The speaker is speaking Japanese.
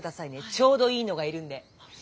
ちょうどいいのがいるんで。